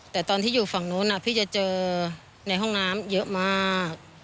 แต่ตอนที่อยู่ฝั่งนู้นพี่จะเจอในห้องน้ำเยอะมาก